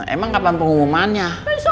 emang kapan pengumumannya